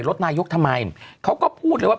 รถนายกทำไมเขาก็พูดเลยว่า